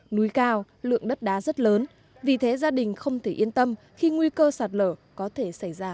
núi cao lượng đất đá rất lớn vì thế gia đình không thể yên tâm khi nguy cơ sạt lở có thể xảy ra